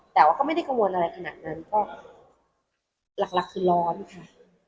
แต่ว่าก็ไม่ได้กังวลอะไรขนาดนั้นเพราะหลักคือร้อนค่ะ